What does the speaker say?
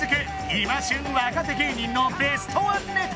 今旬若手芸人のベストワンネタ